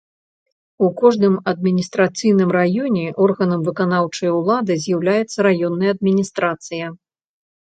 У кожным адміністрацыйным раёне органам выканаўчай улады з'яўляецца раённая адміністрацыя.